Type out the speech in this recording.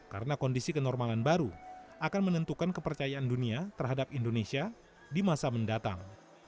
karena kondisi kenormalan baru akan menentukan kepercayaan dunia terhadap indonesia di masa mendatang